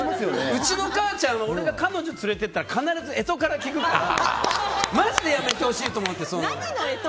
うちの母ちゃんは俺が彼女を連れて行ったら必ず干支から聞くからまじでやめてほしいと思って。